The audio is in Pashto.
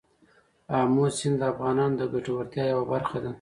آمو سیند د افغانانو د ګټورتیا یوه برخه ده.